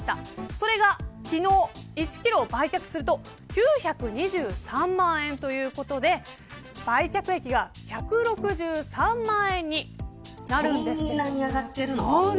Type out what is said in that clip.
それが昨日、１キロ売却すると９２３万円ということで売却益が１６３万円になるんです。